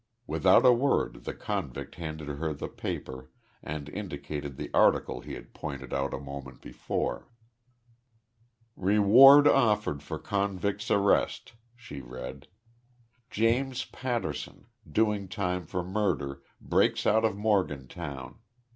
Without a word the convict handed her the paper and indicated the article he had pointed out a moment before. "Reward offered for convict's arrest," she read. "James Patterson, doing time for murder, breaks out of Morgantown.